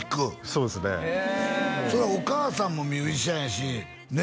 そうですねへえお母さんもミュージシャンやしね